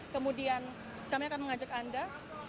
kemudian kami akan mengajak anda